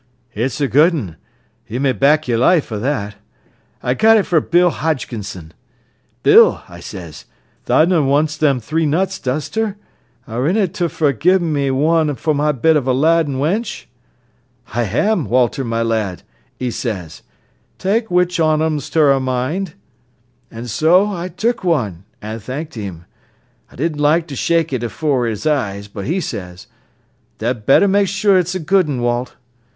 "It's a good un, you may back yer life o' that. I got it fra' Bill Hodgkisson. 'Bill,' I says, 'tha non wants them three nuts, does ter? Arena ter for gi'ein' me one for my bit of a lad an' wench?' 'I ham, Walter, my lad,' 'e says; 'ta'e which on 'em ter's a mind.' An' so I took one, an' thanked 'im. I didn't like ter shake it afore 'is eyes, but 'e says, 'Tha'd better ma'e sure it's a good un, Walt.